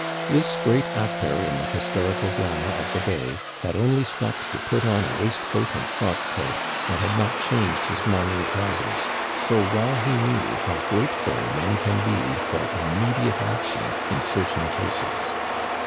This great actor in the historical drama of the day had only stopped to put on a waistcoat and frock coat, and had not changed his morning trousers, so well he knew how grateful men can be for immediate action in certain cases.